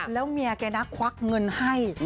แล้วเมียแกนะควักเงินให้